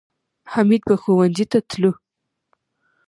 حمید به ښوونځي ته تلو